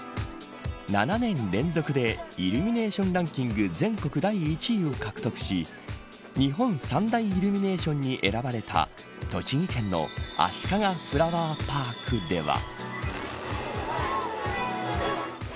７年連続でイルミネーションランキング全国第１位を獲得し日本三大イルミネーションに選ばれた栃木県のあしかがフラワーパークでは。